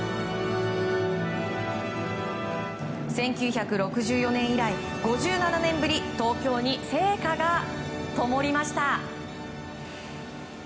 １９６４年以来５７年ぶり、東京に聖火がともりました。